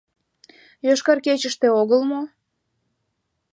«Йошкар кечыште» огыл мо?